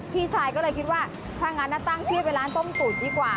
พี่ชายก็เลยคิดว่าถ้างั้นตั้งชื่อเป็นร้านต้มตุ๋นดีกว่า